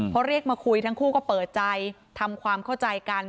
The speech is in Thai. พอเรียกมาคุยทั้งคู่ก็เปิดใจทำความเข้าใจกัน